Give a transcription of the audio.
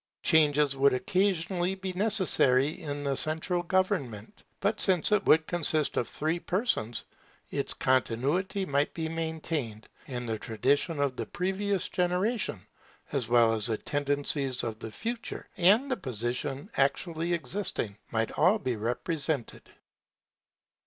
Changes would occasionally be necessary in the central government; but since it would consist of three persons, its continuity might be maintained, and the traditions of the previous generation, as well as the tendencies of the future, and the position actually existing, might all be represented.